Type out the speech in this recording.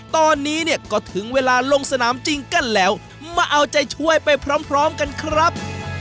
ตอนนี้เนี่ยก็ถึงเวลาลงสนามจริงกันแล้วมาเอาใจช่วยไปพร้อมกันครับ